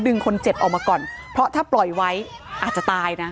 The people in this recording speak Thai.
คนเจ็บออกมาก่อนเพราะถ้าปล่อยไว้อาจจะตายนะ